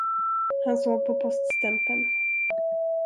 Han såg på poststämpeln.